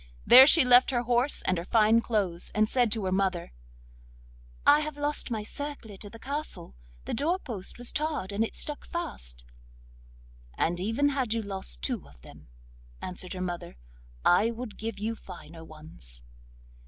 There she left her horse and her fine clothes, and said to her mother: 'I have lost my circlet at the castle; the door post was tarred, and it stuck fast.' 'And even had you lost two of them,' answered her mother, 'I would give you finer ones.